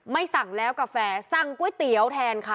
สั่งแล้วกาแฟสั่งก๋วยเตี๋ยวแทนค่ะ